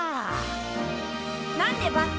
なんでバス？